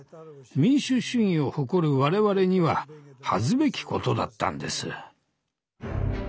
民主主義を誇る我々には恥ずべきことだったんです。